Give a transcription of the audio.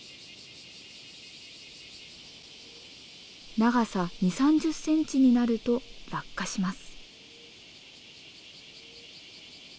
長さ２０３０センチになると落下します。